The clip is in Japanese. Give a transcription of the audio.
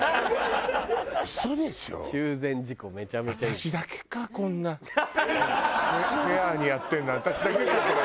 私だけかこんなフェアにやってるの私だけかこれ。